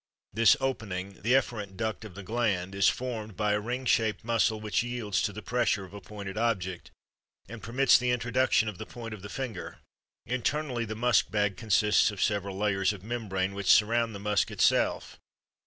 This opening, the efferent duct of the gland, is formed by a ring shaped muscle which yields to the pressure of a pointed object and permits the introduction of the point of the finger. Internally the musk bag consists of several layers of membrane which surround the musk itself.